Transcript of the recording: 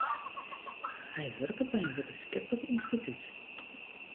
Hy wurket by in wittenskiplik ynstitút.